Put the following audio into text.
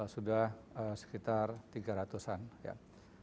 sudah sekitar tiga ratus an ya